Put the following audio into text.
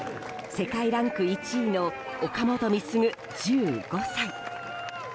世界ランク１位の岡本碧優、１５歳。